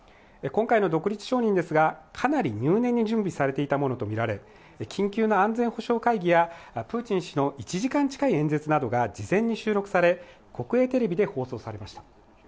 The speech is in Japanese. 今回の独立承認ですが、かなり入念に準備されていたものとみられ緊急の安全保障会議やプーチン氏の１時間近い演説などが事前に収録され、国営テレビで放送されました。